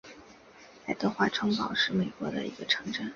爱德华堡是美国纽约州华盛顿县的一个城镇。